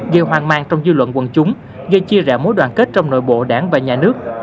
gây hoang mang trong dư luận quần chúng gây chia rẽ mối đoàn kết trong nội bộ đảng và nhà nước